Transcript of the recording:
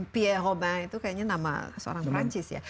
pierre robin itu kayaknya nama seorang perancis ya